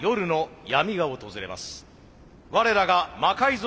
我らが魔改造